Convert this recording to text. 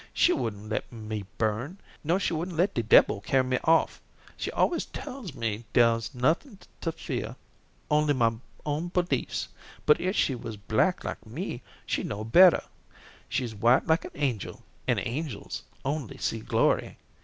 "She wouldn't let me burn, nor she wouldn't let de debbil carry me off. She always tells me dar's nuffin to fear only my own b'liefs, but if she was black like me she'd know bettah. She's white like an angel, an' angels only see glory.